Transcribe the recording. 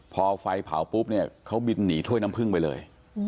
พอไฟเผาปุ๊บเนี่ยเขาบินหนีถ้วยน้ำพึ่งไปเลย